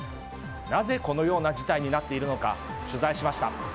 なぜ、このような事態になっているのか取材しました。